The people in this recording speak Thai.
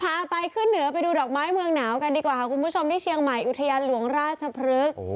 พาไปขึ้นเหนือไปดูดอกไม้เมืองหนาวกันดีกว่าค่ะคุณผู้ชมที่เชียงใหม่อุทยานหลวงราชพฤกษ์